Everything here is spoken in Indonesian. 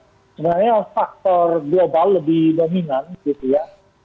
sebenarnya faktor global lebih dominan gitu ya